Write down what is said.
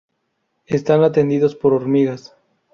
Están atendidos por hormigas.